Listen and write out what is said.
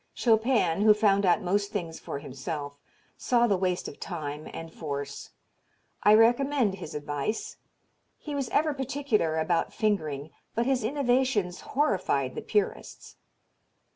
Chopin, who found out most things for himself, saw the waste of time and force. I recommend his advice. He was ever particular about fingering, but his innovations horrified the purists.